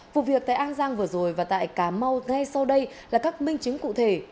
vụ việc tại an giang vừa rồi và tại cà mau ngay sau đây là các minh chứng cụ thể